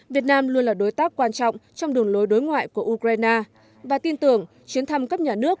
việt nam luôn là đối tác quan trọng trong đường lối đối ngoại của ukraine và tin tưởng chuyến thăm cấp nhà nước